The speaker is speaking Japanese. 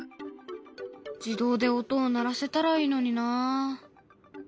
自動で音を鳴らせたらいいのにな。